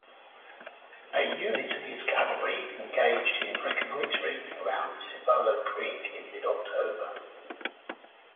A unit of his cavalry engaged in reconnoitering around Cibolo Creek in mid-October.